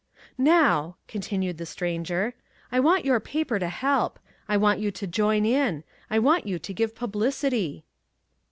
"Now," continued the Stranger, "I want your paper to help. I want you to join in. I want you to give publicity."